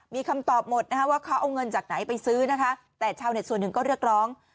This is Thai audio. มีคำตอบหมดนะคะว่าเขาเอาเงินจากไหนไปซื้อนะคะแต่ชาวเน็ตส่วนหนึ่งก็เรียกร้อง